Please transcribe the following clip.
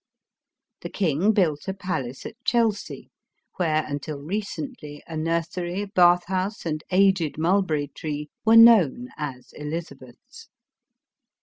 The king built a palace at Chelsea, where, until recently, a nursery, bath house, and aged mulber ry tree, were known as Elizabeth's.